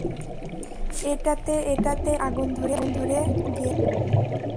এটাতে- এটাতে একবার আগুন ধরে গিয়েছিল।